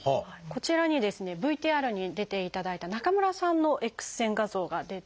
こちらにＶＴＲに出ていただいた中村さんのＸ線画像が出ています。